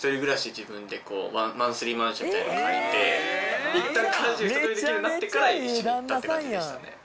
自分でこうマンスリーマンションみたいなのを借りていったん家事を一通りできるようになってから一緒に行ったって感じでしたね。